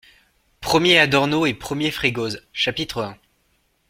- premier ADORNO ET premier FREGOSE, CHAPITRE un.